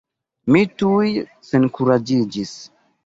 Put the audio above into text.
Mi tuj senkuraĝiĝis.